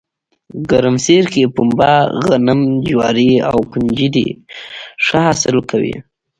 ګرمسیر کې پنه، غنم، جواري او ُکنجدي ښه حاصل کوي